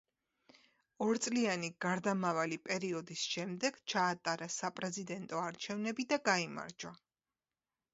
ორწლიანი გარდამავალი პერიოდის შემდეგ ჩაატარა საპრეზიდენტო არჩევნები და გაიმარჯვა.